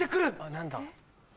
何だ？